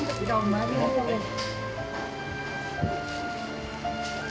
ありがとうございます。